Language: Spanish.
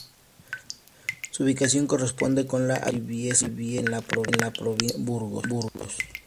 Su ubicación corresponde con la actual Briviesca en la provincia de Burgos.